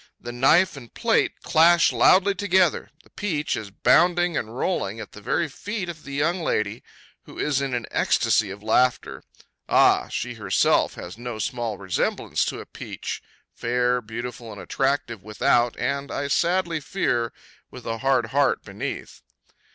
The knife and plate clash loudly together; the peach is bounding and rolling at the very feet of the young lady, who is in an ecstasy of laughter. Ah! she herself has no small resemblance to a peach, fair, beautiful, and attractive without, and, I sadly fear, with a hard heart beneath.